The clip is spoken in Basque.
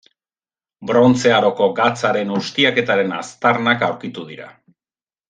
Brontze Aroko gatzaren ustiaketaren aztarnak aurkitu dira.